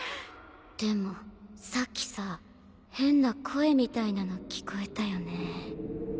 でもさっきさ変な声みたいなの聞こえたよね。